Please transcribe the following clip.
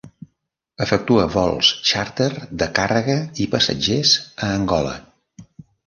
Efectua vols xàrter de càrrega i passatgers a Angola.